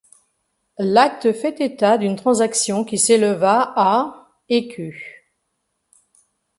L'acte fait état d'une transaction qui s'éleva à écus.